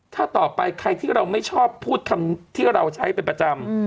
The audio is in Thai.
ถ้าต่อไปใครที่เราไม่ชอบพูดคำที่เราใช้เป็นประจำ